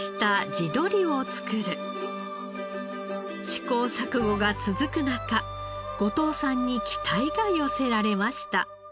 試行錯誤が続く中後藤さんに期待が寄せられました。